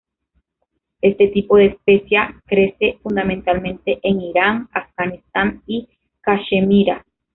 Este tipo de especia crece fundamentalmente en Irán, Afganistán y Cachemira.